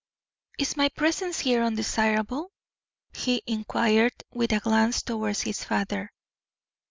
"Is my presence here undesirable?" he inquired, with a glance towards his father.